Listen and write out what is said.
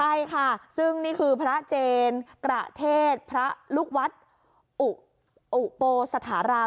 ใช่ค่ะซึ่งนี่คือพระเจนกระเทศพระลูกวัดอุโปสถาราม